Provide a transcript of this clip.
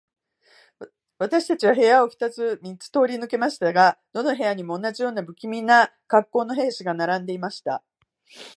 私たちは部屋を二つ三つ通り抜けましたが、どの部屋にも、同じような無気味な恰好の兵士が並んでいました。